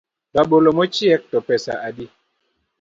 Rabolo mochiek to pesa adi?